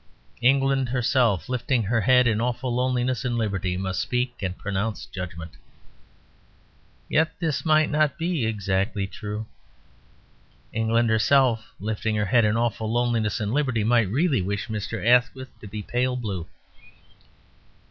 England herself, lifting her head in awful loneliness and liberty, must speak and pronounce judgment. Yet this might not be exactly true. England herself, lifting her head in awful loneliness and liberty, might really wish Mr. Asquith to be pale blue.